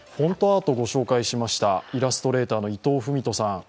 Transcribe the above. アートをご紹介しましたイラストレーターのいとうふみとさん。